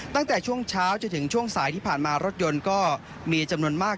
ตั้งแต่ช่วงเช้าจนถึงช่วงสายที่ผ่านมารถยนต์ก็มีจำนวนมาก